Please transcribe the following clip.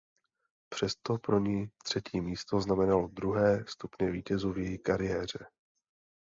Přesto pro ni třetí místo znamenalo druhé stupně vítězů v její kariéře.